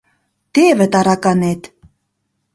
Теве тараканет!